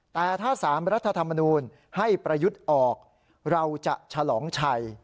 แต่ถ้า๓รัฐธรรมนูลให้ประยุทธ์ออกเราจะฉลองชัย